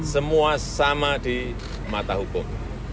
semua sama di mata hukum